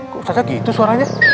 kok ustadznya gitu suaranya